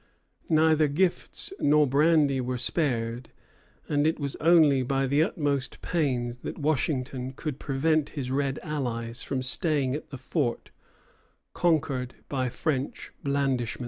Neither gifts nor brandy were spared; and it was only by the utmost pains that Washington could prevent his red allies from staying at the fort, conquered by French blandishments.